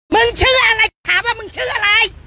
มึงเชื่ออะไรหรือถามว่ามึงเชื่ออะไร